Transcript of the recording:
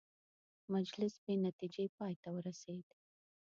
مجلس بې نتیجې پای ته ورسېد.